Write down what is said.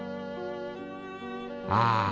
ああ。